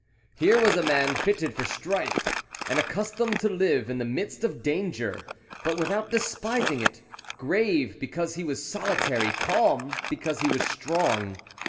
Here was a man fitted for strife, and accustomed to live in the midst of danger, but without despising it, grave because he was solitary, calm because he was strong.